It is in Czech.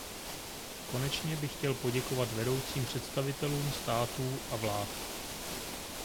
Konečně bych chtěl poděkovat vedoucím představitelům států a vlád.